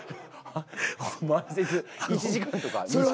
前説１時間とか２時間。